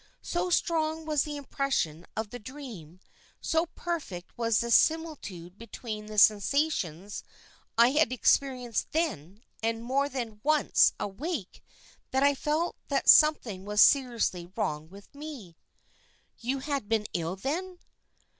So strong was the impression of the dream, so perfect was the similitude between the sensations I had experienced then, and more than once awake, that I felt that something was seriously wrong with me." "You had been ill then?"